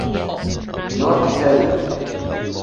Not Held.